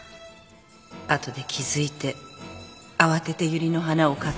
後で気付いて慌ててユリの花を買った。